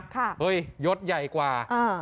ค่ะเฮ้ยยกใหญ่กว่าอ่า